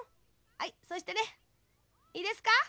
はいそしてねいいですか？